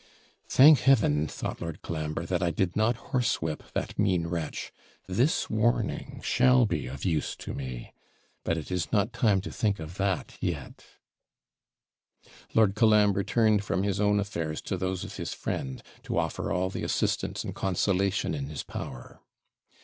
'Thank Heaven!' thought Lord Colambre, 'that I did not horsewhip that mean wretch! This warning shall be of use to me. But it is not time to think of that yet.' Lord Colambre turned from his own affairs to those of his friend, to offer all the assistance and consolation in his power.